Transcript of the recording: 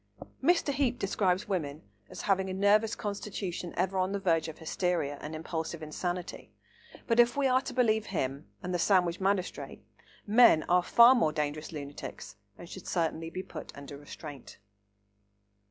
Mr. Heape describes women as having a nervous constitution ever on the verge of hysteria and impulsive insanity; but if we are to believe him, and the Sandwich magistrate, men are far more dangerous lunatics and should certainly be put under restraint.